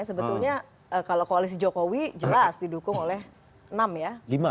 sebetulnya kalau koalisi jokowi jelas didukung oleh enam ya